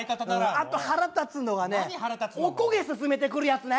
あと腹立つのはねおこげススメてくるやつね。